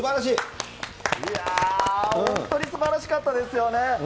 いやー、本当にすばらしかったですよね。